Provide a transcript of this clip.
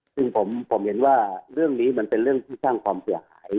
ซึ่งผมเห็นว่าเรื่องนี้มันเป็นเรื่องที่สร้างความเสียหาย